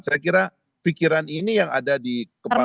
saya kira pikiran ini yang ada di kepala pak prabowo sekarang